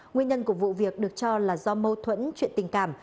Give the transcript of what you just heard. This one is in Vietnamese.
nguyên nhân của vụ việc được cho là do mâu thuẫn chuyện tình cảm